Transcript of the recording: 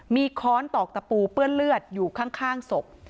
มีค้อนตอกตะปูเปื้อนเลือดอยู่ข้างศพ